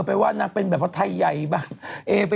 ไปหว่านางแบบไทยใยบ้าง